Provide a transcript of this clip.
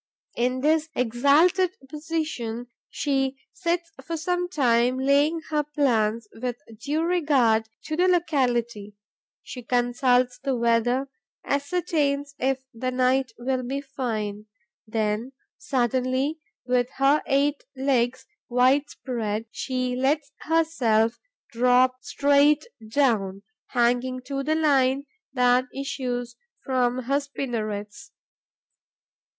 In this exalted position, she sits for some time laying her plans with due regard to the locality; she consults the weather, ascertains if the night will be fine. Then, suddenly, with her eight legs wide spread, she lets herself drop straight down, hanging to the line that issues from her spinnerets.